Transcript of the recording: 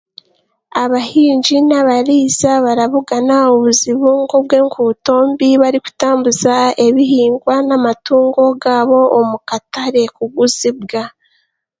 Abahingi n'abariisa barabugana obuzibu nk'obwenkuuto mbi barikutambuza ebihingwa n'amatungo gaabo omukatare kuguzibwa.